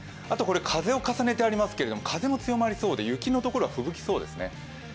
あと風を重ねてありますけれども風も強まりそうで雪のところはふぶきそうですね。